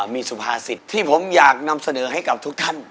มีสุภาษิตที่ผมอยากนำเสนอให้กับทุกท่าน